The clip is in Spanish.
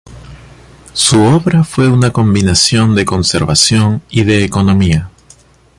Su obra fue una combinación de conservación y de economía.